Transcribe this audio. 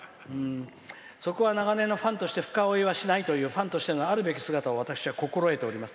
「そこはファンとして深追いしないというファンとしてのあるべき姿を私は心得ております。